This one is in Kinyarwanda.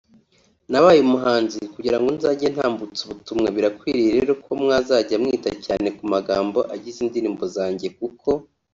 “Nabaye umuhanzi kugirango nzajye ntambutsa ubutumwa birakwiye rero ko mwazajya mwita cyane ku magambo agize indirimbo zanjye kuko